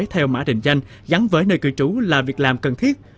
theo mã định danh dắn với nơi cử trú là việc làm cần thiết